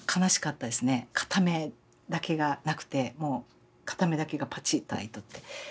片目だけがなくてもう片目だけがパチッと開いとって。